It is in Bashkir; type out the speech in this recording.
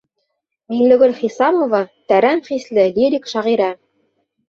Миңлегөл Хисамова — тәрән хисле лирик шағирә.